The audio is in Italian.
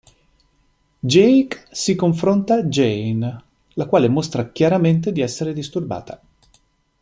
Jake si confronta Jane, la quale mostra chiaramente di essere disturbata.